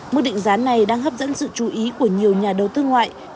mức định giá này đang hấp dẫn sự chú ý của nhiều nhà đầu tư ngoại